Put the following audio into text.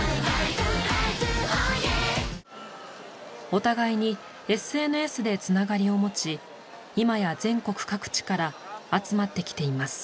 「」お互いにＳＮＳでつながりを持ち今や全国各地から集まってきています。